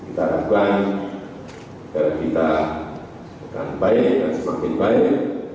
dan kita harapkan negara kita akan baik dan semakin baik